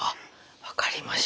分かりました。